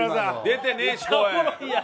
出てねえし声。